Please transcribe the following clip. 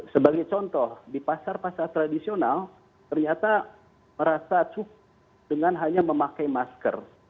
sebagai contoh di pasar pasar tradisional ternyata merasa cukup dengan hanya memakai masker